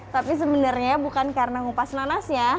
tapi sebenarnya bukan karena ngupas nanasnya